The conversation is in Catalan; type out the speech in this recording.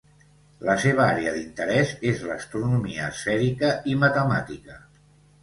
La seva àrea d'interès és l'astronomia esfèrica i matemàtica.